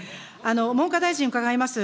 文科大臣、伺います。